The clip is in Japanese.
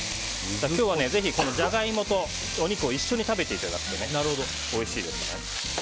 今日は、ぜひジャガイモとお肉を一緒に食べていただくとおいしいですから。